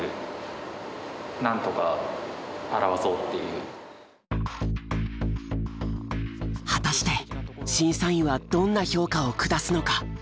一番果たして審査員はどんな評価を下すのか？